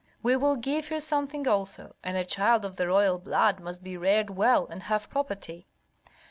We will give her something also. And a child of the royal blood must be reared well, and have property."